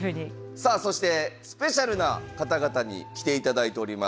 さあそしてスペシャルな方々に来ていただいております。